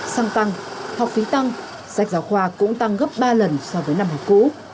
xăng tăng học phí tăng sách giáo khoa cũng tăng gấp ba lần so với năm học cũ